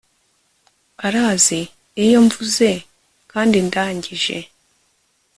arazi iyo mvuze kandi ndangije